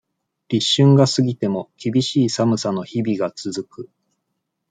立春が過ぎても、厳しい寒さの日々が続く。